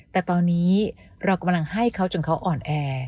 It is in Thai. แต่ตอนนี้เรากำลังให้เขาจนเขาอ่อนแอ